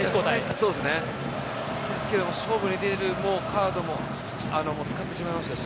ですけど、勝負に出るカードも使ってしまいましたし。